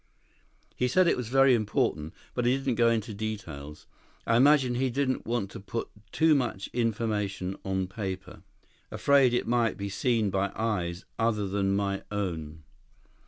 He said it was very important. But he didn't go into details. I imagine he didn't want to put too much information on paper. Afraid it might be seen by eyes other than my own."